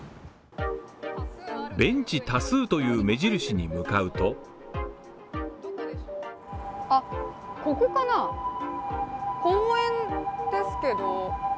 ベンチ多数という目印に向かうとここかな公園ですけど。